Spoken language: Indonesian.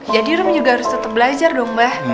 jadi rum juga harus tetap belajar dong ba